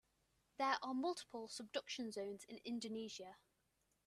There are multiple subduction zones in Indonesia.